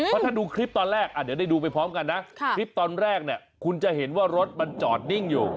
เพราะถ้าดูคลิปตอนแรกเดี๋ยวได้ดูไปพร้อมกันนะคลิปตอนแรกเนี่ยคุณจะเห็นว่ารถมันจอดนิ่งอยู่